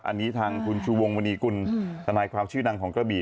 อันนี้ทางคุณชูวงมณีกุลทนายความชื่อดังของกระบี่